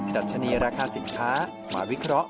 ดัชนีราคาสินค้ามาวิเคราะห์